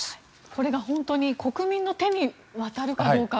これが本当に国民の手に渡るかどうか。